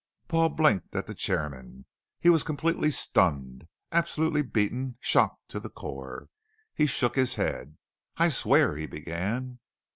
Paul blinked at the chairman. He was completely stunned, absolutely beaten, shocked to the core. He shook his head. "I swear " he began.